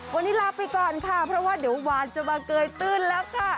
วันนี้ลาไปก่อนค่ะเพราะว่าเดี๋ยวหวานจะมาเกยตื้นแล้วค่ะ